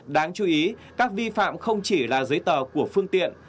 đáng chú ý các vi phạm không chỉ là giấy tờ của phương tiện